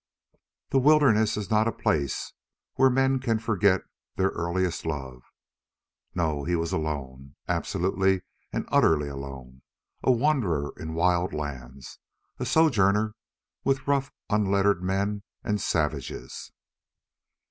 The wilderness is not a place where men can forget their earliest love. No, he was alone, absolutely and utterly alone, a wanderer in wild lands, a sojourner with rough unlettered men and savages.